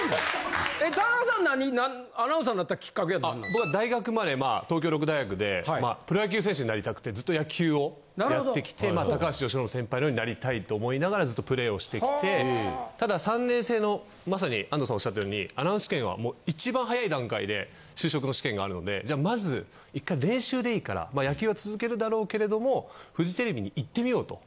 僕は大学までまあ東京６大学でプロ野球選手になりたくてずっと野球をやってきて高橋由伸先輩のようになりたいと思いながらずっとプレイをしてきてただ３年生のまさに安東さんがおっしゃったようにアナウンス試験はもう一番早い段階で就職の試験があるのでじゃあまず一回練習でいいからまあ野球は続けるだろうけれどもフジテレビに行ってみようと。